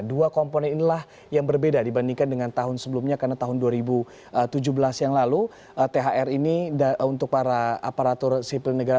dua komponen inilah yang berbeda dibandingkan dengan tahun sebelumnya karena tahun dua ribu tujuh belas yang lalu thr ini untuk para aparatur sipil negara